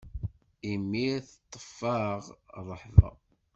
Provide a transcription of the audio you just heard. Imir teṭṭef-aɣ rrehba.